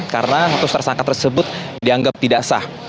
karena status tersangka tersebut dianggap tidak sah